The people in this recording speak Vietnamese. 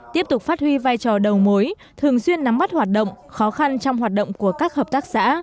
tiếp tục phát huy vai trò đầu mối thường xuyên nắm bắt hoạt động khó khăn trong hoạt động của các hợp tác xã